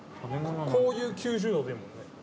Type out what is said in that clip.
こういう９０度でいいもんね。